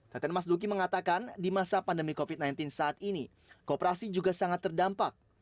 teten mas duki mengatakan di masa pandemi covid sembilan belas saat ini kooperasi juga sangat terdampak